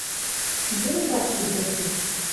Дзе вы бачылі такіх?